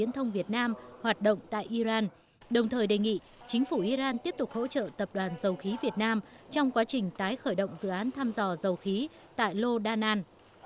thủ tướng cũng đề nghị chính phủ iran tiếp tục hỗ trợ tập đoàn dầu khí việt nam trong quá trình tái khởi động dự án thăm dò dầu khí tại lô đa nàn